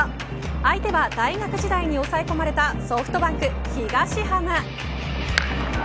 相手は大学時代に抑え込まれたソフトバンク東浜。